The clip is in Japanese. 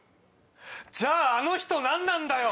じゃああの人何なんだよ